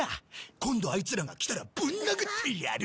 今度あいつらが来たらぶん殴ってやる！